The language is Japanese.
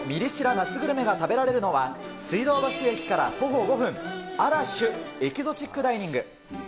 夏グルメが食べられるのは、水道橋駅から徒歩５分、アラシュエキゾチックダイニング。